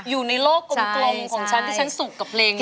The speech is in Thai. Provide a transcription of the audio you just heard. อยู่ในโลกกลมของฉันที่ฉันสุขกับเพลงนี้